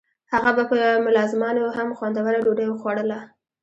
هغه به په ملازمانو هم خوندوره ډوډۍ خوړوله.